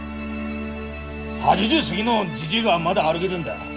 ８０過ぎのじじいがまだ歩げでんだ。